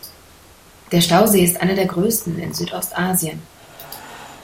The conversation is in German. Der Stausee ist einer der größten in Südostasien.